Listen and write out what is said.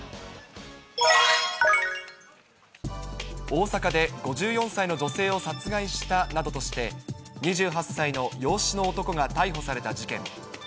大阪で５４歳の女性を殺害したなどとして、２８歳の養子の男が逮捕された事件。